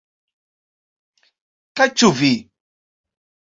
Kaj ĉu vi?